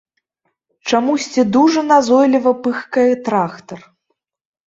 Чамусьці дужа назойліва пыхкае трактар.